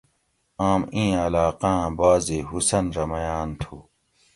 آم اِین علاقاۤں بعضی حسن رہ مۤیاۤن تھو